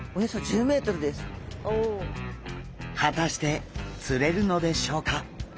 果たして釣れるのでしょうか。